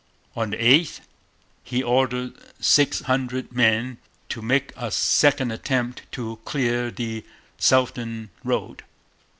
On the 8th he ordered six hundred men to make a second attempt to clear the southern road.